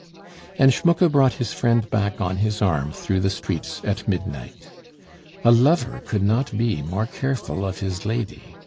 And Schmucke brought his friend back on his arm through the streets at midnight. A lover could not be more careful of his lady.